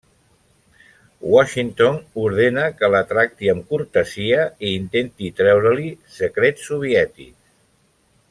Washington ordena que la tracti amb cortesia i intenti treure-li secrets soviètics.